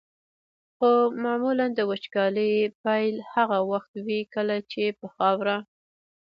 خو معمولا د وچکالۍ پیل هغه وخت وي کله چې په خاوره.